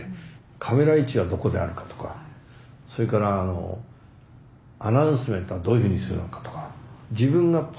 カメラ位置はどこであるかとかそれからあのアナウンスメントはどういうふうにするのかとか。